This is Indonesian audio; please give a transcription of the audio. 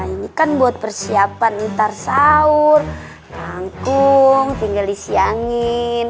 ini kan buat persiapan mitar sahur rangkung tinggal isi angin